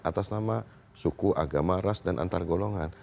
atas nama suku agama ras dan antargolongan